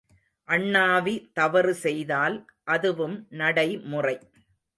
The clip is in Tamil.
அண்ணாவி தவறு செய்தால் அதுவும் நடைமுறை.